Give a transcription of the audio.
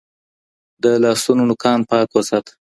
د لاسونو نوکان پاک وساته